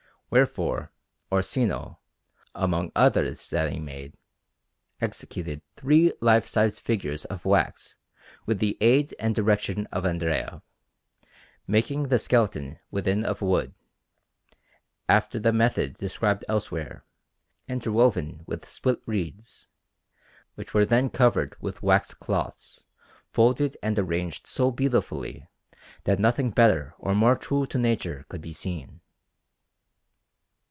Wherefore Orsino, among others that he made, executed three life size figures of wax with the aid and direction of Andrea, making the skeleton within of wood, after the method described elsewhere, interwoven with split reeds, which were then covered with waxed cloths folded and arranged so beautifully that nothing better or more true to nature could be seen.